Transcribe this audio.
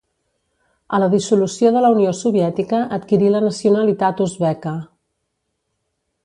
A la dissolució de la Unió Soviètica adquirí la nacionalitat uzbeka.